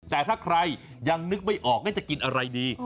แต่ถ้าใครยังนึกไม่ออกว่าจะกินอะไรดี